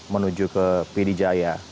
menuju ke pdi jaya